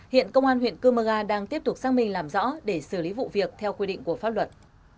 hiện công an huyện cơ mơ ga đang tiếp tục xác minh làm rõ để xử lý vụ việc theo quy định của pháp luật